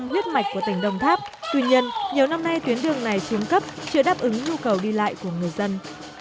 tuy nhiên nhiều năm nay tuyến đường này chiếm cấp chưa đáp ứng nhu cầu đi lại của người dân